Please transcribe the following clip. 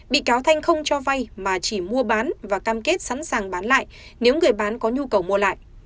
bị cáo thanh không cho vay mà chỉ mua bán và cam kết sẵn sàng bán lại nếu người bán có nhu cầu mua lại